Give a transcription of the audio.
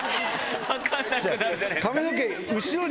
分かんなくなるじゃないですか！